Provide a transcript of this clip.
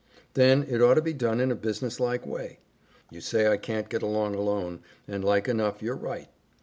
Then it ought to be done in a businesslike way. You say I can't get along alone, and like enough you're right.